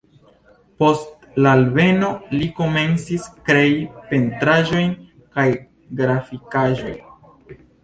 Post la alveno li komencis krei pentraĵojn kaj grafikaĵojn.